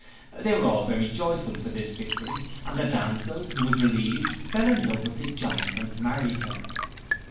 They were all very joyful for this victory, and the damsel who was relieved fell in love with the Giant, and married him.